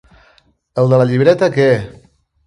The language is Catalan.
El de la llibreta que!